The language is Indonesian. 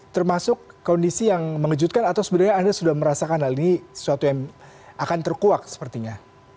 termasuk kondisi yang mengejutkan atau sebenarnya anda sudah merasakan hal ini sesuatu yang akan terkuak sepertinya